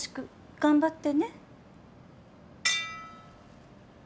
頑張って。